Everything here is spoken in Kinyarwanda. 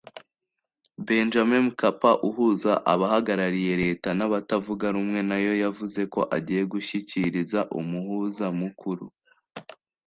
Benjamin Mkapa - uhuza abahagarariye leta n’abatavuga rumwe nayo yavuze ko agiye gushyikiriza umuhuza mukuru